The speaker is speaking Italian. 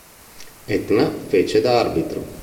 Etna fece da arbitro.